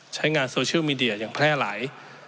ใช้งานโซเชียลมีเดียอย่างแพร่หลาย